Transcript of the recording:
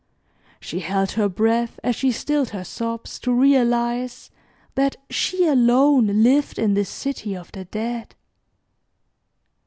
She held her breath as she stilled her sobs to realize that she alone lived in this city of the Dead.